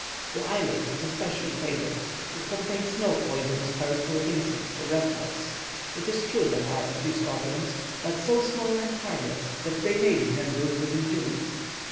The island is especially favoured; it contains no poisonous or hurtful insects or reptiles. It is true there are a few scorpions, but so small and harmless, that they may be handled with impunity.